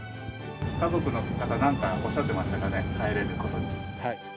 家族の方、なんかおっしゃってましたかね、帰れることに。